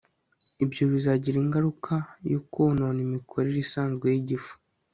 ibyo bizagira ingaruka yo konona imikorere isanzwe y'igifu